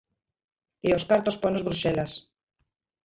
E os cartos ponos Bruxelas.